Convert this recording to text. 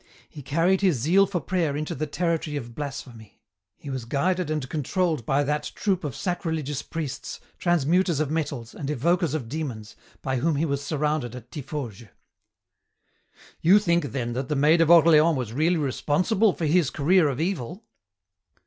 He carried his zeal for prayer into the territory of blasphemy. He was guided and controlled by that troop of sacrilegious priests, transmuters of metals, and evokers of demons, by whom he was surrounded at Tiffauges." "You think, then, that the Maid of Orleans was really responsible for his career of evil?"